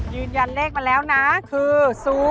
ยืนยันเลขมาแล้วนะคือ๐๔